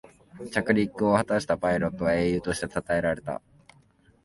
着陸を果たしたパイロットは英雄としてたたえられた